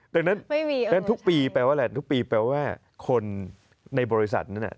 ดังนั้นทุกปีแปลว่าอะไรทุกปีแปลว่าคนในบริษัทนั้น